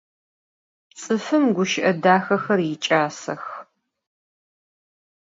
Ts'ıfım guşı'e daxexer yiç'asex.